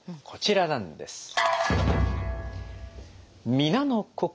こちらなんです。